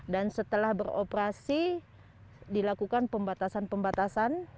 dan setelah beroperasi dilakukan pembatasan pembatasan